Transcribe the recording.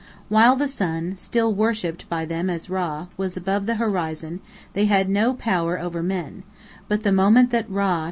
While the sun (still worshipped by them as Rã) was above the horizon they had no power over men, but the moment that Rã?